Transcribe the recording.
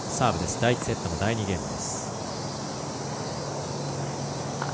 第１セットの第２ゲームです。